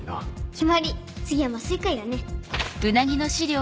決まり次は麻酔科医だね。